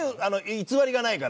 偽りがないから。